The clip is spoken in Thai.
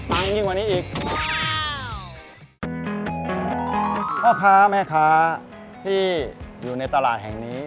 พ่อค้าแม่ค้าที่อยู่ในตลาดแห่งนี้